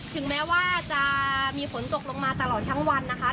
ถึงแม้ว่าจะมีฝนตกลงมาตลอดทั้งวันนะคะ